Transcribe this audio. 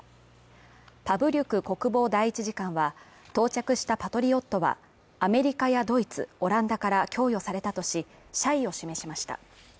パヴリュク国防第１次官は到着したパトリオットは、アメリカやドイツ、オランダから供与されたとし、謝意を示しました。